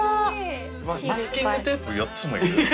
マスキングテープ４つもいる？